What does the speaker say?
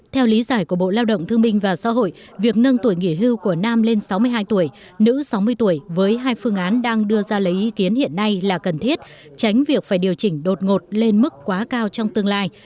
theo lý giải của bộ lao động thương minh và xã hội việc nâng tuổi nghỉ hưu của nam lên sáu mươi hai tuổi nữ sáu mươi tuổi với hai phương án đang đưa ra lấy ý kiến hiện nay là cần thiết tránh việc phải điều chỉnh đột ngột lên mức quá cao trong tương lai